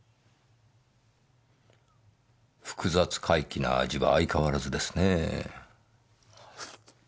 複雑怪奇な味は相変わらずですねぇ。